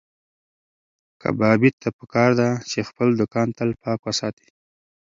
کبابي ته پکار ده چې خپل دوکان تل پاک وساتي.